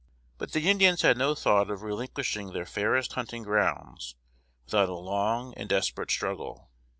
But the Indians had no thought of relinquishing their fairest hunting grounds without a long and desperate struggle.